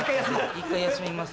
一回休みます。